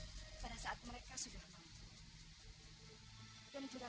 dari mereka ketika mereka sudah mulai dengan hidup